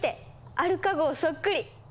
アルカ号そっくり！